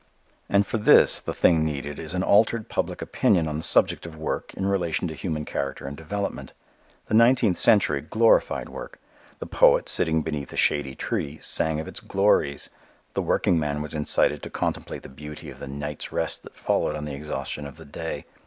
And for this the thing needed is an altered public opinion on the subject of work in relation to human character and development. The nineteenth century glorified work. The poet, sitting beneath a shady tree, sang of its glories. The working man was incited to contemplate the beauty of the night's rest that followed on the exhaustion of the day.